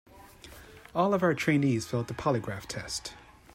All of our trainees failed the polygraph test.